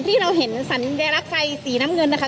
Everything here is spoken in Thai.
ที่เราเห็นสัญลักษณ์ไฟสีน้ำเงินนะคะ